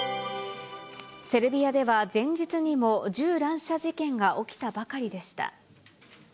セルビアでは前日にも銃乱射事件が起きたばかりでした。